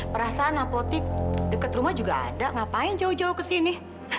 perasaan apotek deket rumah juga ada ngapain jauh jauh kesini